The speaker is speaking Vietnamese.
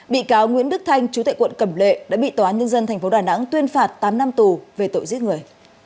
bị cáo nguyễn đức thanh chú tại quận cẩm lệ đã bị tòa nhân dân tp đà nẵng tuyên phạt tám năm tù về tội giết người